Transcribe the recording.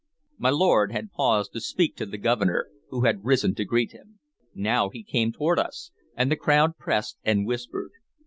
My lord had paused to speak to the Governor, who had risen to greet him. Now he came toward us, and the crowd pressed and whispered.